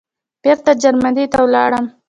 بېرته جرمني ته ولاړم.